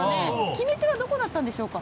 決め手はどこだったんでしょうか？